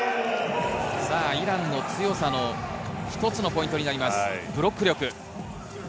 イランの強さの一つのポイントになります、ブロック力。